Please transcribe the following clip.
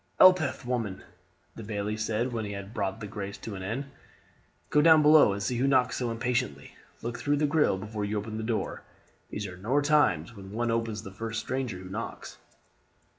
"Elspeth, woman," the bailie said when he had brought the grace to an end, "go down below and see who knocks so impatiently; look through the grille before you open the door; these are nor times when one opens to the first stranger who knocks."